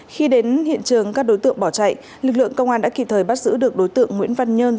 khi đến hiện trường các đối tượng bỏ chạy lực lượng công an đã kịp thời bắt giữ được đối tượng nguyễn văn nhơn